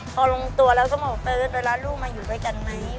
พอลงตัวแล้วต้องบอกว่าเฟิร์ดเวลาลูกมาอยู่ด้วยกันไหม